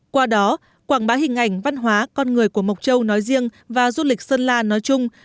qua đó quảng bá hình ảnh văn hóa con người của mộc châu nói riêng và du lịch sơn la nói chung